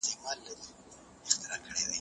ژوند د اور لمبه ده چې پکې سوزو.